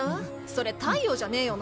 それ太陽じゃねえよな。